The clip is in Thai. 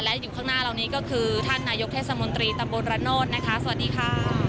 และอยู่ข้างหน้าเรานี้ก็คือท่านนายกเทศมนตรีตำบลระโนธนะคะสวัสดีค่ะ